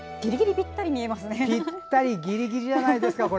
ぴったりギリギリじゃないですか。